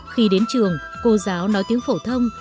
khi đến trường cô giáo nói tiếng phổ thông